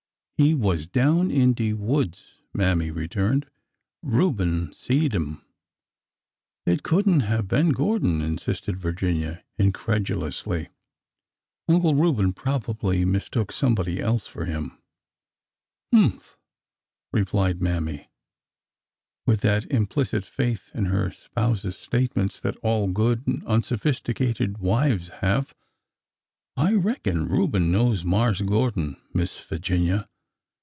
" He was down in de woods," Mammy returned. Reuben seed 'im." '' It could n't have been Gordon," insisted Virginia, in credulously. Uncle Reuben probably mistook some body else for him." Humph I replied Mammy, with that implicit faith 238 ORDER NO. 11 in her spouse's statements that all good and unsophisti cated wives have. I reckon Reuben knows Marse Gor don, Miss Figinia